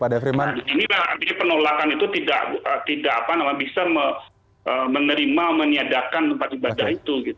nah disini lah penolakan itu tidak bisa menerima menyadarkan tempat ibadah itu